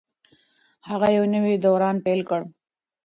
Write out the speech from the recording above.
هغه یو نوی دوران پیل کړ.